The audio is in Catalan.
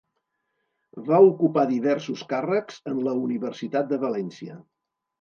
Va ocupar diversos càrrecs en la Universitat de València.